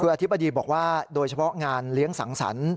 คืออธิบดีบอกว่าโดยเฉพาะงานเลี้ยงสังสรรค์